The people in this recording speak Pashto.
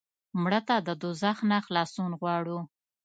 مړه ته د دوزخ نه خلاصون غواړو